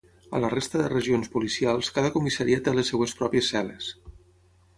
A la resta de regions policials cada comissaria té les seves pròpies cel·les.